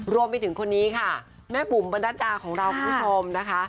รวมไปถึงคนนี้ค่ะแม่บุ๋มบรรนัดดาของเราคุณผู้ชมนะคะ